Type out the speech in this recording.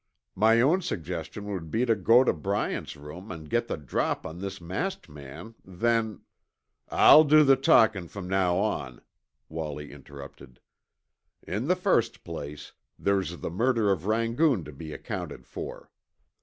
My own suggestion would be to go to Bryant's room and get the drop on this masked man, then " "I'll do the talking from now on," Wallie interrupted. "In the first place, there's the murder of Rangoon to be accounted for.